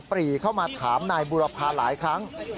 ปรีเข้ามาถามนายบุรพาหลายครั้ง